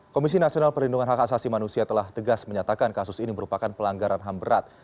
komisi nasional perlindungan hak asasi manusia telah tegas menyatakan kasus ini merupakan pelanggaran ham berat